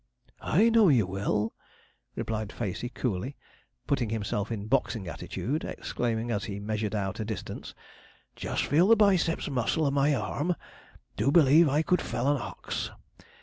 'I know you will,' replied Facey coolly, putting himself in boxing attitude, exclaiming, as he measured out a distance, 'just feel the biceps muscle of my arm do believe I could fell an ox.